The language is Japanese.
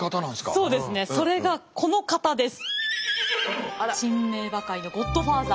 そうですねそれがこの方です。